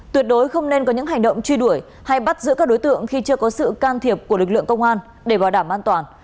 tuyệt đối không nên có những hành động truy đuổi hay bắt giữ các đối tượng khi chưa có sự can thiệp của lực lượng công an để bảo đảm an toàn